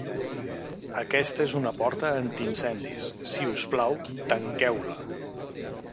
Aquesta és una porta anti-incendis. Si us plau, tanqueu-la.